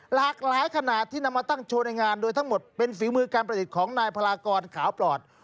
หลากหลายขนาดที่นำมาตั้งโชว์ในงานโดยทั้งหมดเป็นฝีมือการประดิษฐ์ของนายพลากรขาวปลอด